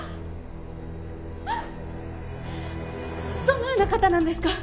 どのような方なんですか？